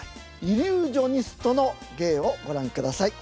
イリュージョニストの芸をご覧ください。